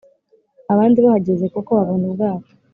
abandi bahageze koko babona ubwato